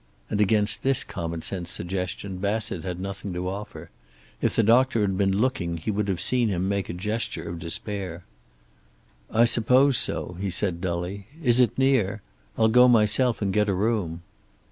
And against this common sense suggestion Bassett had nothing to offer. If the doctor had been looking he would have seen him make a gesture of despair. "I suppose so," he said, dully. "Is it near? I'll go myself and get a room."